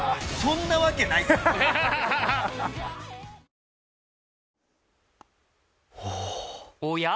そんなわけないからな！